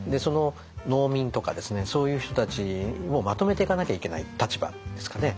農民とかそういう人たちをまとめていかなきゃいけない立場ですかね